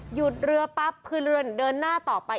หยุดเรือปั๊บคือเรือนเดินหน้าต่อไป